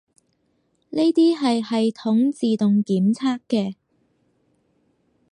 呢啲係系統自動檢測嘅